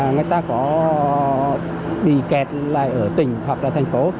người ta có bị kẹt lại ở tỉnh hoặc là thành phố